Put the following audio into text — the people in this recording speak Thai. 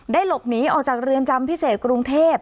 หลบหนีออกจากเรือนจำพิเศษกรุงเทพ